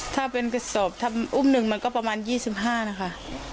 ถ้าเป็นกระสอบทำอุ้มหนึ่งมันก็ประมาณ๒๕นะคะ